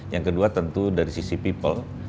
yang kedua tentu dari sisi people